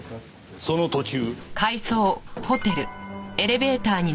その途中。